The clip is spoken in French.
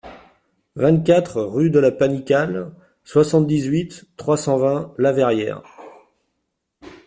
vingt-quatre rue de la Panicale, soixante-dix-huit, trois cent vingt, La Verrière